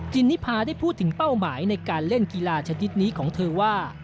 นิพาได้พูดถึงเป้าหมายในการเล่นกีฬาชนิดนี้ของเธอว่า